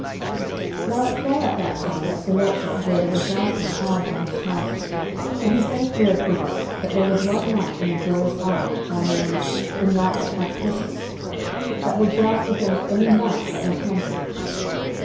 Now it fell at that time that Sir Launcelot heard of a jousting hard by his castle, and he sent word thither that there was one knight in the Joyous Isle, by name "The knight that hath trespassed," that will joust against any knights that will come to him.